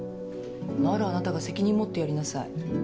ならあなたが責任持ってやりなさい。